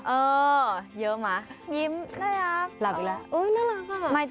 เออเยอะมากยิ้มน่ารักน่ารักอีกแล้วอื้อน่ารักอ่ะ